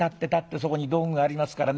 そこに道具がありますからね。